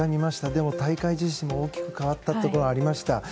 でも大会実施も、大きく変わったところがありました。